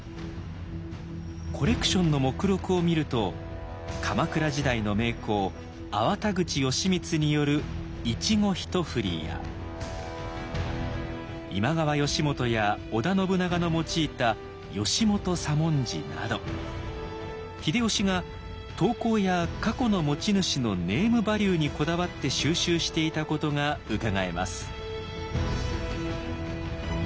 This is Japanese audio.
コレクションの目録を見ると鎌倉時代の名工粟田口吉光による「一期一振」や今川義元や織田信長の用いた「義元左文字」など秀吉が刀工や過去の持ち主のネームバリューにこだわって収集していたことがうかがえます。